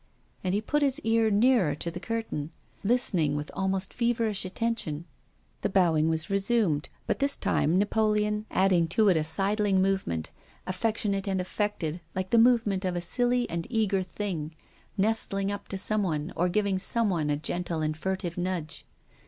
And he put his car nearer to the curtain, listening with almost feverish attention. 3t6 tongues of conscience. added to it a sidling movement, affectionate and affected, like the movement of a silly and eager thing, nestling up to someone, or giving someone a gentle and furtive nudge.